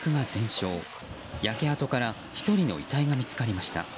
焼け跡から１人の遺体が見つかりました。